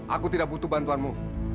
aku tidak butuh bantuanmu